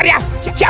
aku lagi christian